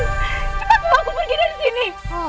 cepat mau aku pergi dari sini